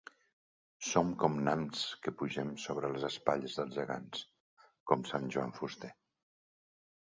Som com nans que pugem sobre les espatlles dels gegants, com sant Joan Fuster.